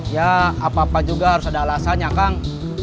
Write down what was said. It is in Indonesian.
ya apa apa juga harus ada alasannya kang